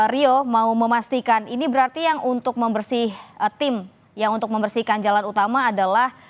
rio mau memastikan ini berarti yang untuk membersih tim yang untuk membersihkan jalan utama adalah